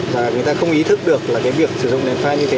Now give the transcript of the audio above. và người ta không ý thức được là cái việc sử dụng đèn pha như thế